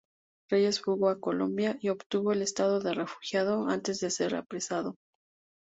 Reyes fugó a Colombia y obtuvo el estado de refugiado antes de ser apresado.